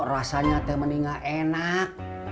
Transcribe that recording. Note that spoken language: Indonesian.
rasanya teh meni gak enak